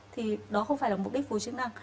thì đó không phải là mục đích phù hợp chức năng